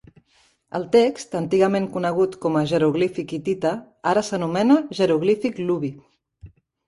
El text, antigament conegut com a "jeroglífic hitita" ara s'anomena "jeroglífic luvi".